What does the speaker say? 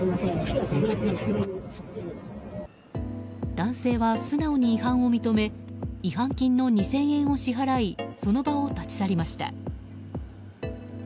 男性は素直に違反を認め違反金の２０００円を支払いその場を立ち去りました。